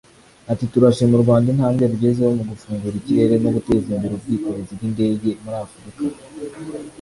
Ati “Turashima u Rwnda intambwe rugezeho mu gufungura ikirere no guteza imbere ubwikorezi bw’indege muri Afurika